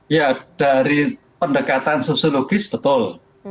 ya dari pendekatan sosiologis betul